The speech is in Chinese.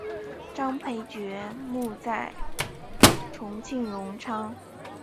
张培爵墓在重庆荣昌。